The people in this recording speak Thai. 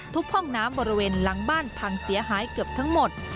ห้องน้ำบริเวณหลังบ้านพังเสียหายเกือบทั้งหมด